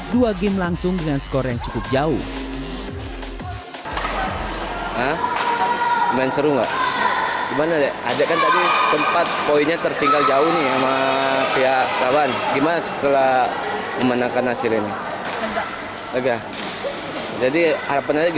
dua game langsung dengan skor yang cukup jauh